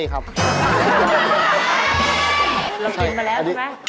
ตอบว่า